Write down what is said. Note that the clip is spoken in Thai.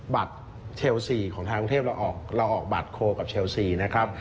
บัตรเชลซีของทางกรุงเทพเราออกบัตรโคลกับเชลซีนะครับ